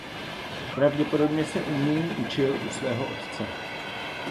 Pravděpodobně se umění učil u svého otce.